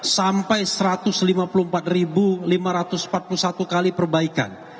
sampai satu ratus lima puluh empat lima ratus empat puluh satu kali perbaikan